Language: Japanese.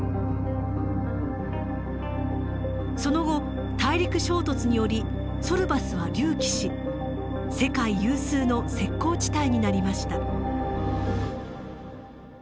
その後大陸衝突によりソルバスは隆起し世界有数の石こう地帯になりました。